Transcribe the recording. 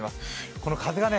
この風がね